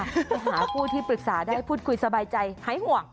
หาผู้ที่ปรึกษาได้พูดคุยสบายใจหายห่วง